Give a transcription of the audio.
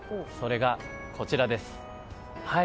それが、こちらです。